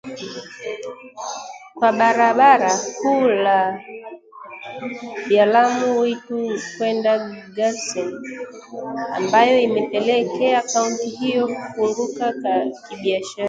kwa barabara kuu ya Lamu-Witu kwenda Garsen ambayo imepelekea kaunti hiyo kufunguka kibiashara